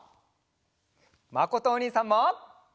まことおにいさんも！